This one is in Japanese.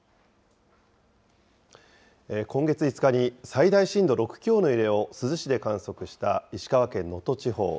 今月５日に最大震度６強の揺れを珠洲市で観測した石川県能登地方。